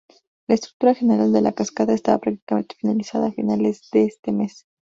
La estructura general de la cascada estaba prácticamente finalizada a finales de este mes.